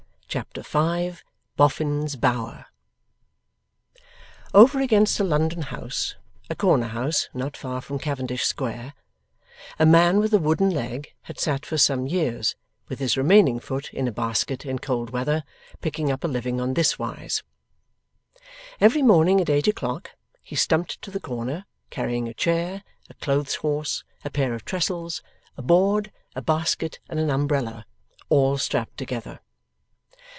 Chapter 5 BOFFIN'S BOWER Over against a London house, a corner house not far from Cavendish Square, a man with a wooden leg had sat for some years, with his remaining foot in a basket in cold weather, picking up a living on this wise: Every morning at eight o'clock, he stumped to the corner, carrying a chair, a clothes horse, a pair of trestles, a board, a basket, and an umbrella, all strapped together.